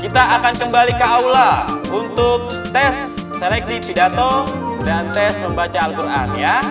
kita akan kembali ke aula untuk tes seleksi pidato dan tes pembaca al qurannya